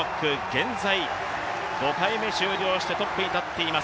現在、５回目終了してトップに立っています。